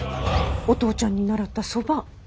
お父ちゃんに習ったそば。